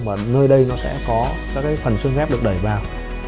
và nơi đây nó sẽ có các cái phần xương ghép được đẩy vào